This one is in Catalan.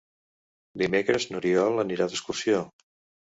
Dimecres n'Oriol anirà d'excursió.